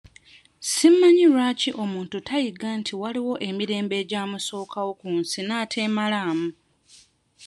Si manyi lwaki omuntu tayiga nti waaliwo emirembe egyamusookawo ku nsi n'ateemalaamu?